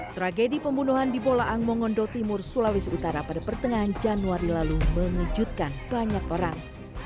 tragedi pembunuhan di bolaang mongondo timur sulawesi utara pada pertengahan januari lalu mengejutkan banyak orang